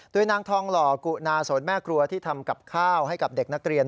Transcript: โดยนางทองหล่อกุนาสนแม่ครัวที่ทำกับข้าวให้กับเด็กนักเรียน